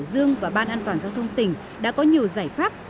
hải dương và ban an toàn giao thông tỉnh đã có nhiều giải pháp